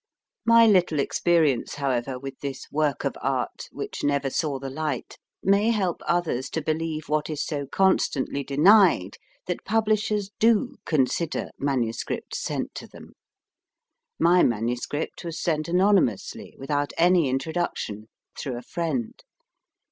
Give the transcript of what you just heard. My little ex perience, however, with this work of Art, which never saw the light, may help others to believe, what is so constantly denied, that publishers do con sider MSS. sent to them. My MS. was sent anonymously, without any introduction, through a friend.